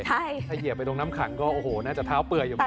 ถ้าเหยียบไปตรงน้ำขังก็โอ้โหน่าจะเท้าเปื่อยอยู่เหมือนกัน